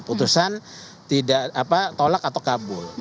putusan tidak tolak atau kabul